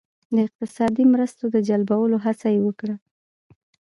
د اقتصادي مرستو د جلبولو هڅه یې وکړه.